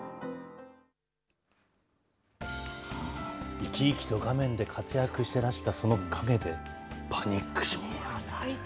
生き生きと画面で活躍してらしたその陰で、パニック障害。